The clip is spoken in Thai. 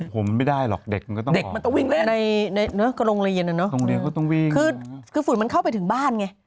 ผมไม่ได้หรอกเด็กมันก็ต้องออกตรงเรียนก็ต้องวิ่งคือฝุ่นมันเข้าไปถึงบ้านไง